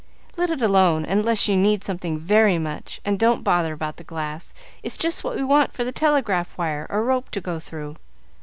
"Let it alone, unless you need something very much, and don't bother about the glass. It's just what we want for the telegraph wire or rope to go through.